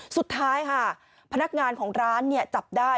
สุดท้ายค่ะพนักงานของร้านจับได้